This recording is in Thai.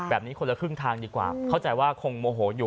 คนละครึ่งทางดีกว่าเข้าใจว่าคงโมโหอยู่